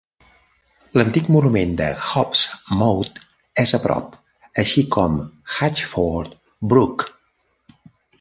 L'antic monument de Hob's Moat és a prop, així com Hatchford Brook.